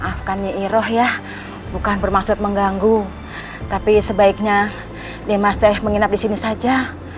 hai maafkan yeiroh ya bukan bermaksud mengganggu tapi sebaiknya demas teh menginap di sini saja